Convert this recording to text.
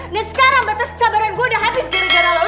dan sekarang batas kesabaran gue udah habis gara gara lo